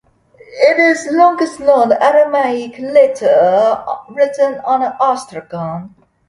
It is the longest known Aramaic letter written on an ostracon.